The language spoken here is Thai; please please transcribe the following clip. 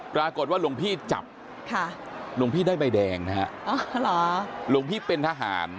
ปรากฏว่าหลวงพี่จับหลวงพี่ได้ใบแดงนะฮะหลวงพี่เป็นทหาร